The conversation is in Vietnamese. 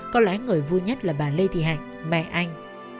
có lẽ người vui nhất là bà lê thị hạnh mẹ anh